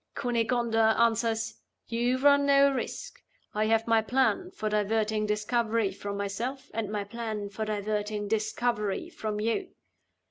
Cunegonda answers, 'You run no risk: I have my plan for diverting discovery from myself, and my plan for diverting discovery from you.